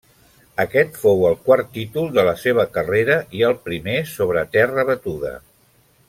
Aquest fou el quart títol de la seva carrera i el primer sobre terra batuda.